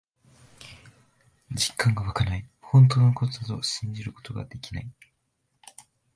実感がわかない。本当のことだと信じることができない。